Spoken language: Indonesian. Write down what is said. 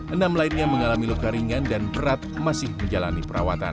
enam lainnya mengalami luka ringan dan berat masih menjalani perawatan